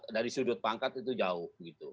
dari sudut pangkat itu jauh